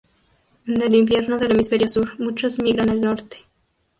En el invierno del hemisferio sur, muchos migran al norte.